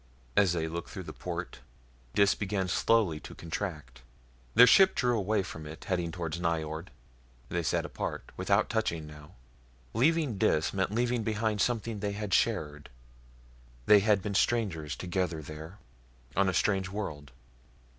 As they looked through the port Dis began slowly to contract. Their ship drew away from it, heading towards Nyjord. They sat apart, without touching now. Leaving Dis meant leaving behind something they had shared. They had been strangers together there, on a strange world.